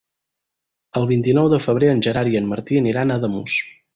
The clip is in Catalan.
El vint-i-nou de febrer en Gerard i en Martí aniran a Ademús.